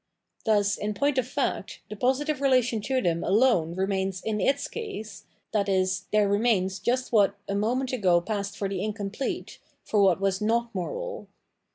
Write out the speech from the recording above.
Thus, in point of fact, tbe positive relation to them alone remains in its case, i.e. there remains just what a moment ago passed for the incomplete, for what was not moral.